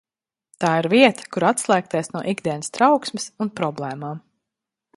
Tā ir vieta, kur atslēgties no ikdienas trauksmes un problēmām.